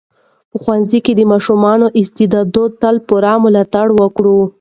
په ښوونځي کې د ماشومانو د استعدادونو تل پوره ملاتړ وکړئ.